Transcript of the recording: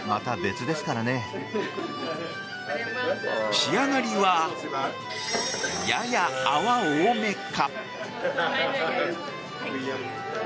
仕上がりは、やや泡多めか？